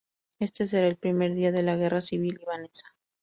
Este será el primer día de la Guerra Civil Libanesa.